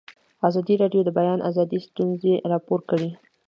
ازادي راډیو د د بیان آزادي ستونزې راپور کړي.